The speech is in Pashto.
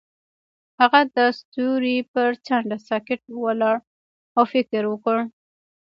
هغه د ستوري پر څنډه ساکت ولاړ او فکر وکړ.